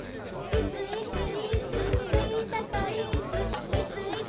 「いついついーつスウィート・トリーツ」